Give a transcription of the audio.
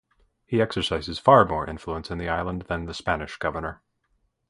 He exercises far more influence in the island than the Spanish governor.